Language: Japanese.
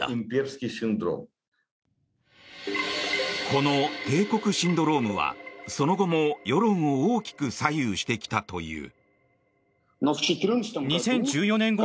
この帝国シンドロームはその後も、世論を大きく左右してきたという。